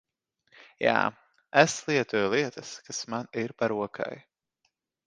Jā, es lietoju lietas kas man ir pa rokai.